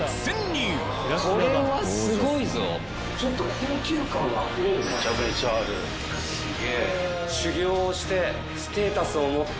ちょっと高級感あふれるね。